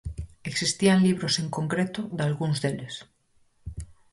Existían libros en concreto, dalgúns deles.